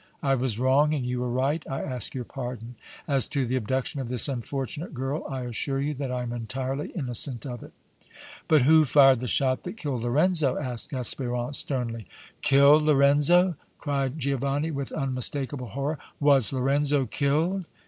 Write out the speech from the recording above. I was wrong and you were right. I ask your pardon. As to the abduction of this unfortunate girl, I assure you that I am entirely innocent of it!" "But who fired the shot that killed Lorenzo?" asked Espérance, sternly. "Killed Lorenzo!" cried Giovanni, with unmistakable horror. "Was Lorenzo killed?"